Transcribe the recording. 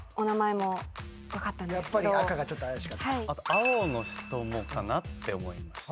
青の人もかなと思いました。